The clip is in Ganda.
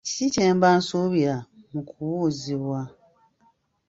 Kiki kye mba nsuubira mu kubuuzibwa?